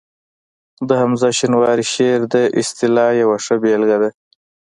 د حمزه شینواري شعر د اصطلاح یوه ښه بېلګه ده